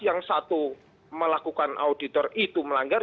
yang satu melakukan auditor itu melanggar